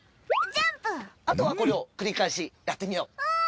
あとはこれを繰り返しやってみよう。